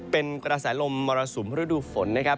เป็นกระแสลมมรสุมฤดูฝนนะครับ